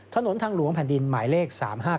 ถนนทางหลวงแผ่นดินหมายเลข๓๕๗